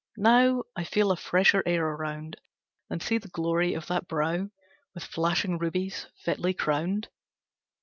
Now I feel a fresher air around, And see the glory of that brow With flashing rubies fitly crowned.